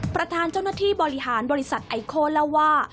ประธานเจ้าหน้าที่บริหารบริษัทไอโคเล่าว่า